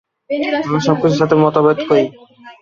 আমি সবকিছুর সাথে মতভেদ করি।